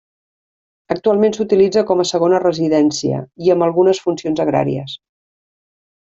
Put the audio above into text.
Actualment s'utilitza com a segona residència i amb algunes funcions agràries.